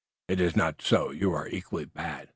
"It iss not so. You are equally bad.